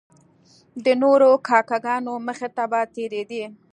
د نورو کاکه ګانو مخې ته به تیریدی.